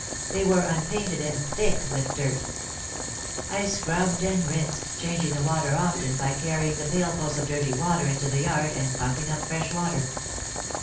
They were unpainted and thick with dirt. I scrubbed and rinsed, changing the water often by carry ing the pailfuls of dirty water into the yard and pump ing up fresh water.